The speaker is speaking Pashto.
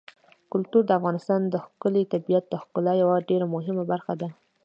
کلتور د افغانستان د ښکلي طبیعت د ښکلا یوه ډېره مهمه برخه ده.